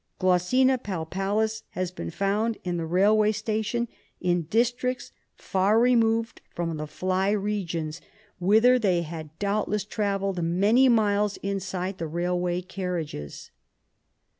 G. palpalis has been found in the rail way station in districts far removed from the fly regions, 38 RESEARCH DEFENCE SOCIETY whither they had doubtless travelled many miles inside the railway carriages.